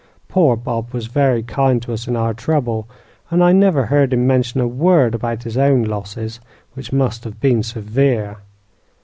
Poor Bob was very kind to us in our trouble, and I never heard him mention a word about his own losses, which must have been severe.